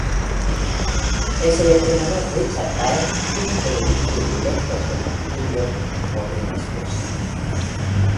El seleccionador Richard Páez tuvo que dirigir lejos del banquillo por una expulsión.